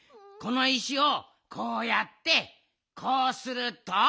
この石をこうやってこうすると。